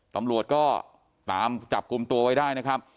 ตำรวจก็ตามจับกลุ่มตัวไว้ได้นะครับ